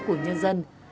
của nhân dân